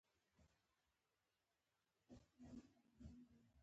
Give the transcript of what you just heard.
تودوخه د افغان کلتور په داستانونو کې ډېره راځي.